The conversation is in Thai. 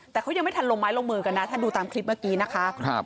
แต่เขายังไม่ทันลงไม้ลงมือกันนะถ้าดูตามคลิปเมื่อกี้นะคะ